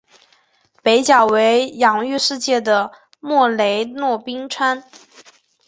北角为享誉世界的莫雷诺冰川。